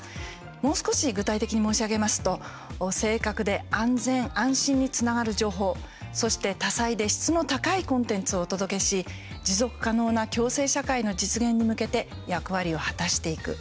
もう少し具体的に申し上げますと正確で安全、安心につながる情報そして多彩で質の高いコンテンツをお届けし持続可能な共生社会の実現に向けて役割を果たしていく。